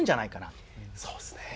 そうですね。